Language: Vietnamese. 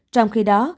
trong khi đó